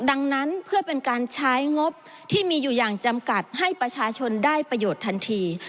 ดังนั้นเพื่อเป็นการใช้งบที่มีอยู่อย่างจำกัดให้ประชาชนได้ประโยชน์ทันที